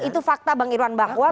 itu fakta bang irwan bahwa